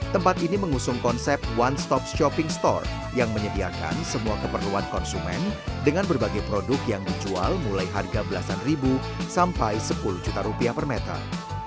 tempat ini mengusung konsep one stop shopping store yang menyediakan semua keperluan konsumen dengan berbagai produk yang dijual mulai harga belasan ribu sampai sepuluh juta rupiah per meter